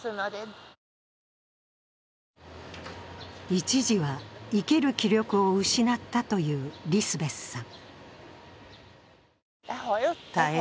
一時は生きる気力を失ったというリスベスさん。